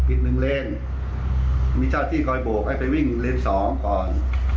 อีก๑เลนมีเจ้าที่ก่อยบวกให้ไปวิ่งเลน๒ก่อน